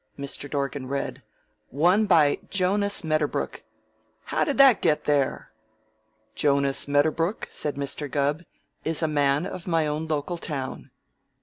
Mr. Dorgan read. "'Won by Jonas Medderbrook.' How did that get there?" "Jonas Medderbrook," said Mr. Gubb, "is a man of my own local town."